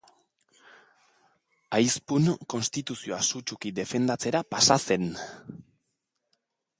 Aizpun konstituzioa sutsuki defendatzera pasa zen.